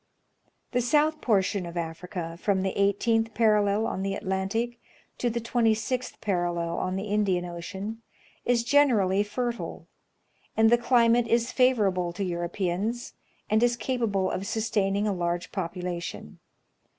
The soiith portion of Afr'ca, from the 18th j)arallel on the Atlantic to the 26th parallel on the Indian Ocean, is generally fertile; and the climate is favorable to Europeans, and is capable of sustaining a large population.